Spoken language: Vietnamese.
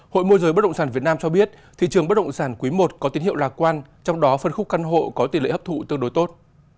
hội môi giới bất động sản việt nam cho biết thị trường bất động sản quý i có tín hiệu lạc quan trong đó phân khúc căn hộ có tỷ lệ hấp thụ tương đối tốt